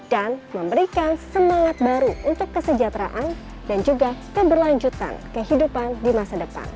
dan memberikan semangat baru untuk kesejahteraan dan juga keberlanjutan kehidupan di masa depan